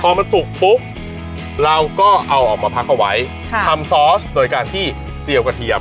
พอมันสุกปุ๊บเราก็เอาออกมาพักเอาไว้ทำซอสโดยการที่เจียวกระเทียม